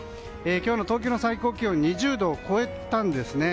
今日の東京の最高気温２０度を超えたんですね。